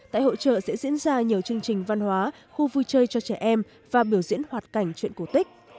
tại hội trợ sẽ diễn ra nhiều chương trình văn hóa khu vui chơi cho trẻ em và biểu diễn hoạt cảnh chuyện cổ tích